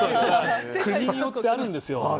国によってあるんですよ。